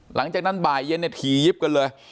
หลังจากนั้นบ่ายเย็นเนี่ยถี่ยิบกันเลย